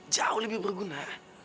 jauh lebih berguna